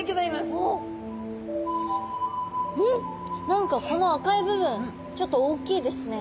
何かこの赤い部分ちょっと大きいですね。